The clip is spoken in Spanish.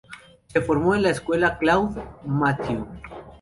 Se formó en la escuela Claude Mathieu.